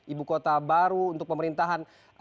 ibu kota baru untuk pemerintahan